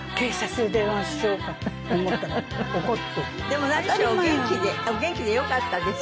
でも何しろお元気でお元気でよかったです。